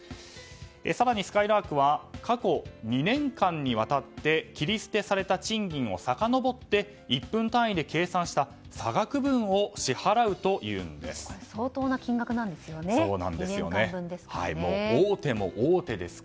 更に、すかいらーくは過去２年間にわたって切り捨てされた賃金をさかのぼって１分単位で計算した差額分を支払うというんです。